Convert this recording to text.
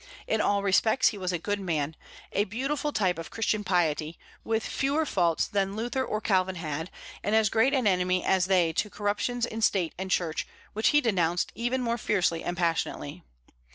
In all respects he was a good man, a beautiful type of Christian piety, with fewer faults than Luther or Calvin had, and as great an enemy as they to corruptions in State and Church, which he denounced even more fiercely and passionately.